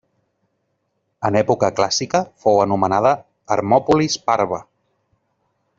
En època clàssica fou anomenada Hermòpolis Parva.